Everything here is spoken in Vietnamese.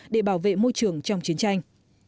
để bảo vệ môi trường trong chiến tranh